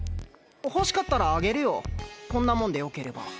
欲しかったらあげるよこんなモンでよければ。